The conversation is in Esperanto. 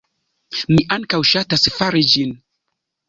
Mi ankaŭ ŝatas fari ĝin.